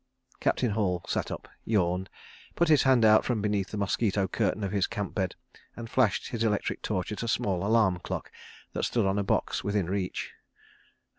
... Captain Hall sat up, yawned, put his hand out from beneath the mosquito curtain of his camp bed and flashed his electric torch at a small alarm clock that stood on a box within reach.